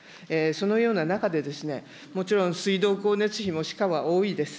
そのような中で、もちろん、水道光熱費も歯科は多いです。